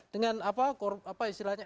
dengan apa istilahnya